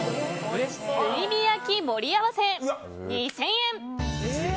炭火焼き盛り合わせ、２０００円。